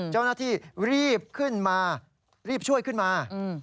เจ้าหน้าที่รีบขึ้นมารีบช่วยขึ้นมา